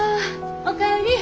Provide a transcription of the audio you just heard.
おかえり。